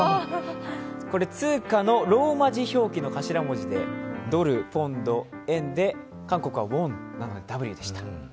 通貨のローマ字表記の頭文字でドル、ポンド、円で韓国はウォンなのでＷでした。